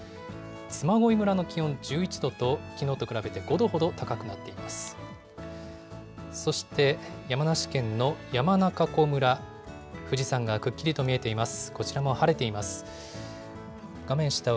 嬬恋村の気温１１度と、きのうと比べて５度ほど高くなっています。